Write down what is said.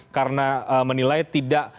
karena menilai tidak